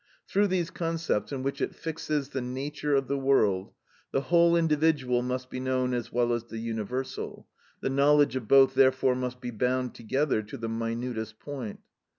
Through these concepts, in which it fixes the nature of the world, the whole individual must be known as well as the universal, the knowledge of both therefore must be bound together to the minutest point.